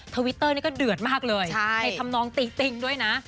ทวิตเตอร์ก็เดือดมากเลยให้ทำน้องตีติ้งด้วยนะ